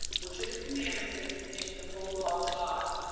Which are the Commandments that contain the whole law of God?